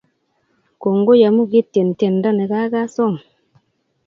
kongoi amu ketyen tyendo nikagasom